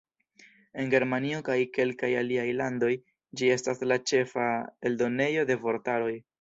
En Germanio kaj kelkaj aliaj landoj ĝi estas la ĉefa eldonejo de vortaroj.